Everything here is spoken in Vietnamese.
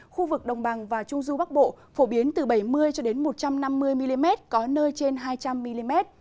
khu vực đồng bằng và trung du bắc bộ phổ biến từ bảy mươi một trăm năm mươi mm có nơi trên hai trăm linh mm